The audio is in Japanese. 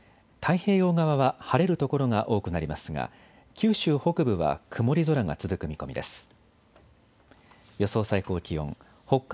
太平洋側は晴れる所が多くなりますが九州北部は曇り空が続く見込みです。